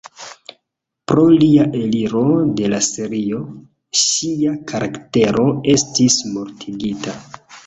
Pro lia eliro de la serio, ŝia karaktero estis mortigita.